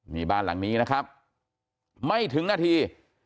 นี่บ้านหลังนี้นะครับไม่ถึงนาที